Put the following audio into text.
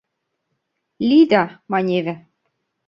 «Лида», — маневе.